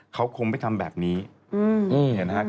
เขาคงไม่ทำแบบนี้เห็นไหมครับ